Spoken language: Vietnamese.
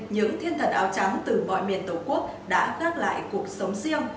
những thiên thần áo trắng từ mọi miền tổ quốc đã gác lại cuộc sống riêng